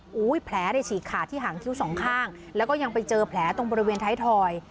โอ้โหแผลในฉีกขาดที่หางคิ้วสองข้างแล้วก็ยังไปเจอแผลตรงบริเวณท้ายถอย